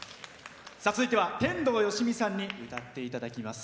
続いては天童よしみさんに歌っていただきます。